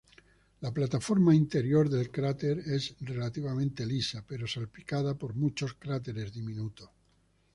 La plataforma interior del cráter es relativamente lisa, pero salpicada por muchos cráteres diminutos.